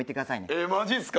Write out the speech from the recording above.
えっマジっすか？